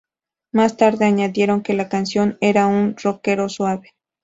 Más tarde añadieron que la canción era un "rockero suave".